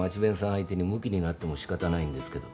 相手にむきになっても仕方ないんですけど。